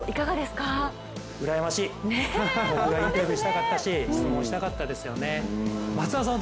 僕がインタビューしたかったし質問したかったですよね。